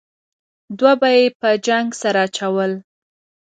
دوه به یې په جنګ سره اچول.